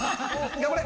頑張れ！